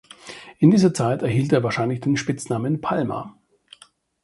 In dieser Zeit erhielt er wahrscheinlich den Spitznamen „Palma“.